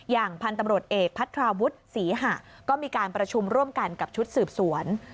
อย่างพันธุ์ตำรวจเอกพัทราวุฒิศรีหะก็มีการประชุมร่วมกันกับชุดสืบสวน